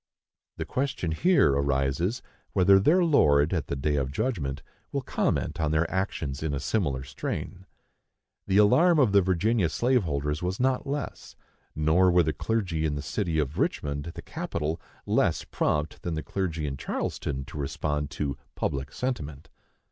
The question here arises, whether their Lord, at the day of judgment, will comment on their actions in a similar strain. The alarm of the Virginia slave holders was not less; nor were the clergy in the city of Richmond, the capital, less prompt than the clergy in Charleston to respond to "public sentiment."